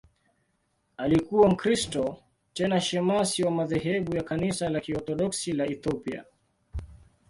Alikuwa Mkristo, tena shemasi wa madhehebu ya Kanisa la Kiorthodoksi la Ethiopia.